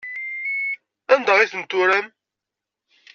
Anda ay ten-turam?